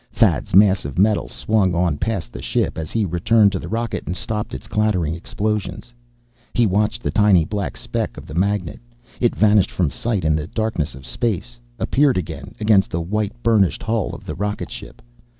Thad's mass of metal swung on past the ship, as he returned to the rocket and stopped its clattering explosions. He watched the tiny black speck of the magnet. It vanished from sight in the darkness of space, appeared again against the white, burnished hull of the rocket ship.